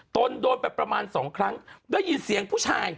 โดนไปประมาณ๒ครั้งได้ยินเสียงผู้ชาย